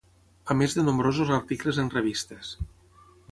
A més de nombrosos articles en revistes.